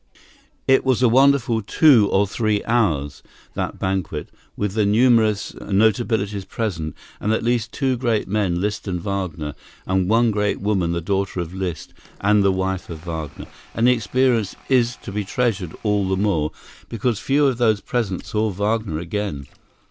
It was a wonderful two or three hours, that banquet, with the numerous notabilities present, and at least two great men, Liszt and Wagner, and one great woman, the daughter of Liszt and the wife of Wagner; and the experience is to be treasured all the more, because few of those present saw Wagner again.